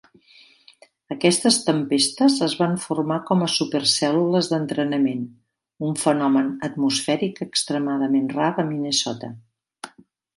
Aquestes tempestes es van formar com a super cèl·lules d'entrenament, un fenomen atmosfèric extremadament rar a Minnesota.